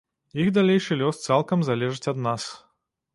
Іх далейшы лёс цалкам залежыць ад нас.